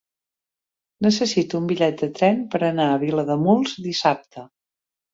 Necessito un bitllet de tren per anar a Vilademuls dissabte.